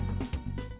nhạc đầu s